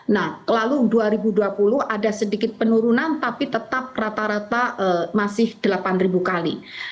nah lalu dua ribu dua puluh ada sedikit penurunan tapi tetap rata rata masih delapan ribu kali